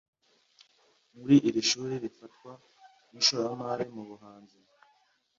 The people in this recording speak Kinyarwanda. muri iri shuri rifatwa nk’ishoramari mu buhanzi